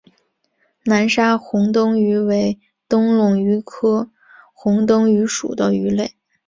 南沙虹灯鱼为灯笼鱼科虹灯鱼属的鱼类。